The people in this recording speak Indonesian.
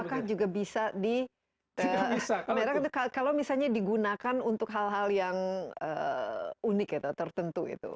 apakah juga bisa di merek kalau misalnya digunakan untuk hal hal yang unik atau tertentu gitu